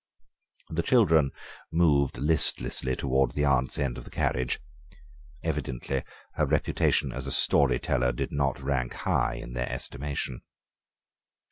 The children moved listlessly towards the aunt's end of the carriage. Evidently her reputation as a story teller did not rank high in their estimation.